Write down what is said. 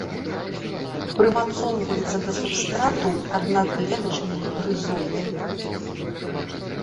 Прымацоўваецца да субстрату аднаклетачнымі рызоідамі.